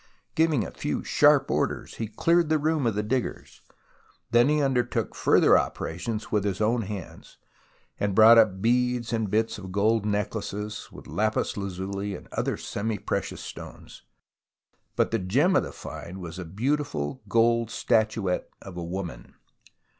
Giving a few sharp orders, he cleared the room of the diggers. Then he undertook further operations with his own hands, and brought up beads and bits of gold necklaces, with lapis lazuli and other semi precious stones. But the gem of the find was a beautiful gold statuette of a woman.